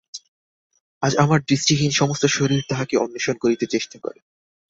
আজ আমার দৃষ্টিহীন সমস্ত শরীর তাঁহাকে অন্বেষণ করিতে চেষ্টা করে।